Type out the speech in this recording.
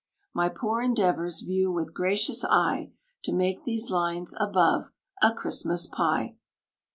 My poor endeavors view with gracious eye, To make these lines above a Christmas pie.